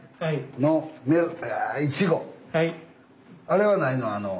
あれはないの？